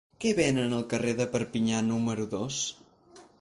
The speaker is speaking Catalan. Què venen al carrer de Perpinyà número dos?